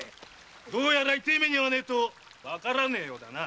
どうやら痛え目に遭わねえとわからねえようだな。